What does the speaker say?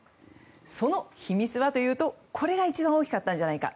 その秘密はというと、これが一番大きかったんじゃないか。